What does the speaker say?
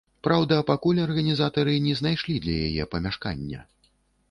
Праўда, пакуль арганізатары не знайшлі для яе памяшкання.